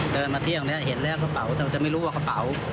เดินมาเที่ยวแบบนี้เห็นแหละกระเป๋าแต่มันจะไม่รู้ว่ากระเป๋า